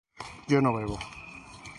yo no bebo